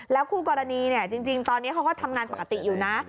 คู่กรณีจริงตอนนี้เขาก็ทำงานปกติอยู่นะ